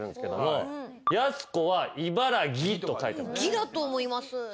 「ぎ」だと思います。